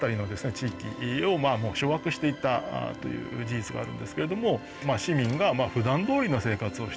地域をもう掌握していったという事実があるんですけれども市民がふだんどおりの生活をしてる。